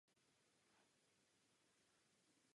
V tomtéž roce začaly první charterové lety.